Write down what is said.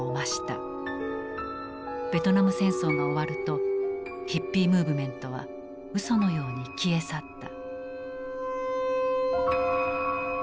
ベトナム戦争が終わるとヒッピー・ムーブメントはうそのように消え去った。